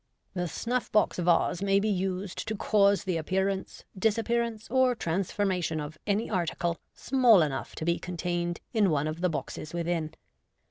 The snuff box vase may be used to cause the appearance, disappearance, or transforma tion of any article small enough to be con tained in one of the boxes within.